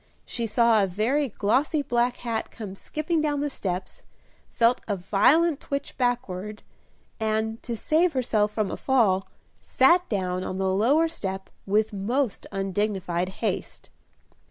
she saw a very glossy black hat come skipping down the steps, felt a violent twitch backward, and, to save herself from a fall, sat down on the lower step with most undignified haste.